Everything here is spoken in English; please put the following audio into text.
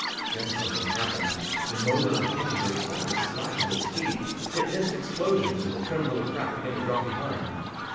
Then something happened. The motor of the Humming Bird suddenly slackened its speed, it missed explosions, and the trim little craft began to drop behind.